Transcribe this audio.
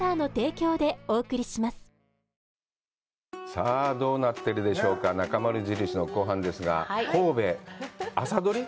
さあ、どうなってるでしょうか、「なかまる印」の後半ですが、神戸、朝取り？